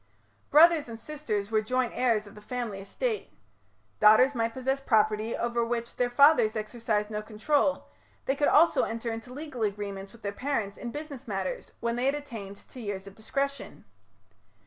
Brothers and sisters were joint heirs of the family estate. Daughters might possess property over which their fathers exercised no control: they could also enter into legal agreements with their parents in business matters, when they had attained to years of discretion.